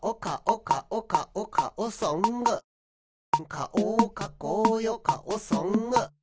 「かおかこうよかおソング」